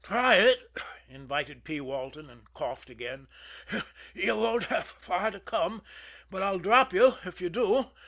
"Try it," invited P. Walton and coughed again. "You won't have far to come, but I'll drop you if you do.